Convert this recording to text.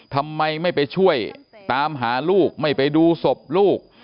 ทำไมไม่ไปช่วยตามหาลูกไม่ไปดูศพลูก